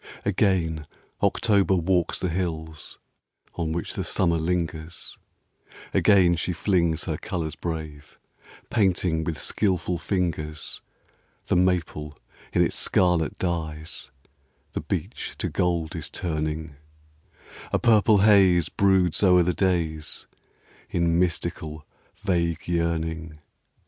^GAIN October walks the hills On which the summer lingers ; Again she flings her colors brave, Painting with skilful fingers The maple in its scarlet dyes ; The beech to gold is turning ; A purple haze broods o'er the days In mystical, vague yearning.